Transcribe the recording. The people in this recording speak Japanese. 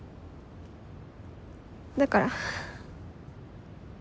だから。